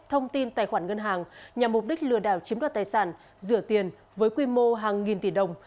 thông tin tài khoản ngân hàng nhằm mục đích lừa đảo chiếm đoạt tài sản rửa tiền với quy mô hàng nghìn tỷ đồng